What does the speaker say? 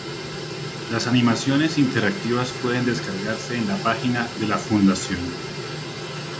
Las animaciones interactivas pueden descargarse de la página de la fundación.